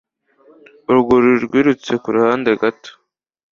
Urwuri rwirutse kuruhande gato